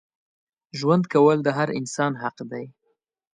ژوند کول د هر انسان حق دی.